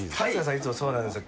いつもそうなんですよ